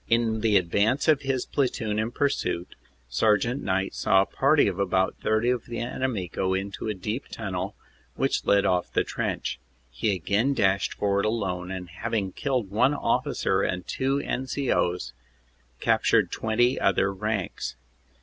In the advance of his platoon in pursuit, Sergt. Knight saw a party of about 30 of the enemy go into a deep tunnel which led off the trench. He again dashed forward alone and having killed one officer and two N. C. O s, captured twenty other ranks.